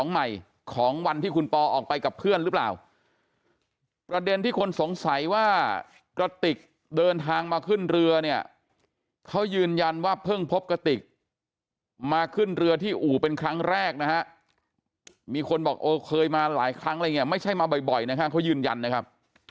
ไหนว่ากระติกเดินทางมาขึ้นเรือเนี่ยเขายืนยันว่าเพิ่งพบกระติกมาขึ้นเรือที่อุเป็นครั้งแรกนะฮะมีคนบอกโอเคมาหลายเลยง่ะไม่ใช่มาบ่อยนะคะเพราะยืนยันนะครับ